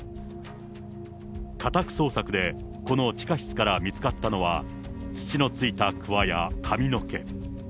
家宅捜索で、この地下室から見つかったのは、土の付いたくわや髪の毛。